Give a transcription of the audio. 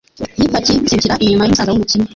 y'ipaki isimbukira inyuma y'umusaza w'umukene